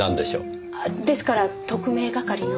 ですから特命係の？